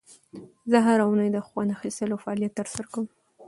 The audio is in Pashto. زه هره اونۍ د خوند اخیستلو فعالیت ترسره کوم.